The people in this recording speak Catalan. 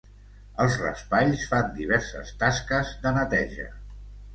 Els raspalls fan diverses tasques de neteja.